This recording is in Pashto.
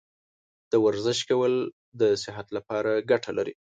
د ورزش کول صحت لپاره ګټه لري.